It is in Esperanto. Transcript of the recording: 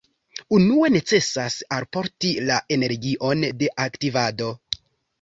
Unue necesas alporti la energion de aktivado.